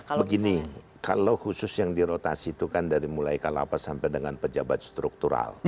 ya begini kalau khusus yang dirotasi itu kan dari mulai kalapas sampai dengan pejabat struktural